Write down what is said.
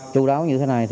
chú đáo như thế này